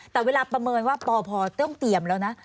แต่เวลาประเมินว่าปพต้องเตรียมแล้วนะ